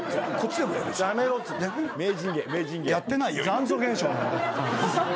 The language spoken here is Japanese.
残像現象。